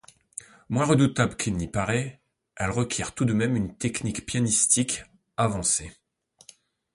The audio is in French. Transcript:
Moins redoutable qu'il n'y paraît, elle requiert tout de même une technique pianistique avancée.